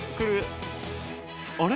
あれ？